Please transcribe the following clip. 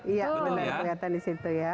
iya bener bener kelihatan di situ ya